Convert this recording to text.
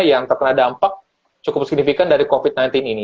yang terkena dampak cukup signifikan dari covid sembilan belas ini